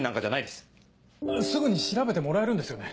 すぐに調べてもらえるんですよね？